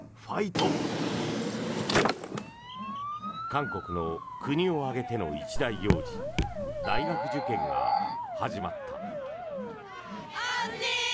韓国の国を挙げての一大行事大学受験が始まった。